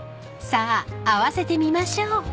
［さあ合わせてみましょう］